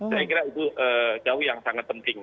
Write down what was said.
saya kira itu jauh yang sangat penting